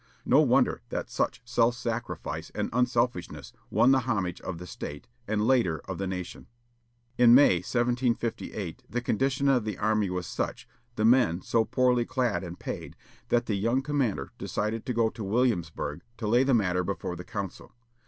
No wonder that such self sacrifice and unselfishness won the homage of the State, and later of the nation. In May, 1758, the condition of the army was such, the men so poorly clad and paid, that the young commander decided to go to Williamsburg to lay the matter before the council.